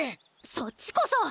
そっちこそ！